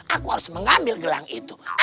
aku harus mengambil gelang itu